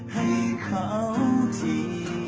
ให้เขาที